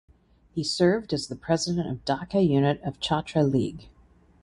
He served as the president of Dhaka unit of Chatra league.